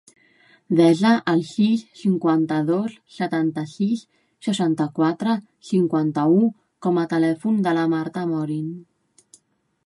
Desa el sis, cinquanta-dos, setanta-sis, seixanta-quatre, cinquanta-u com a telèfon de la Marta Amorin.